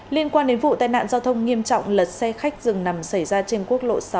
liên quan đến vụ tai nạn giao thông nghiêm trọng lật xe khách dừng nằm xảy ra trên quốc lộ sáu